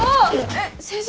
えっ先生。